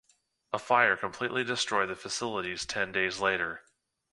A fire completely destroyed the facilities ten days later.